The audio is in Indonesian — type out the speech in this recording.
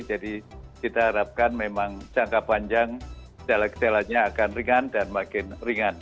jadi kita harapkan memang jangka panjang jalannya akan ringan dan makin ringan